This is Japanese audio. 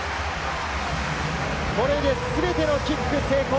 これで全てのキック成功。